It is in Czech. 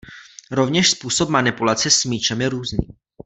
Rovněž způsob manipulace s míčem je různý.